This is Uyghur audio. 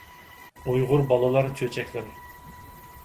ئۇيغۇر بالىلار چۆچەكلىرى